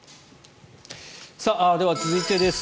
では、続いてです。